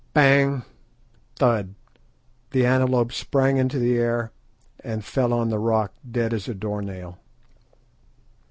"Bang! thud!" The antelope sprang into the air and fell on the rock dead as a door nail.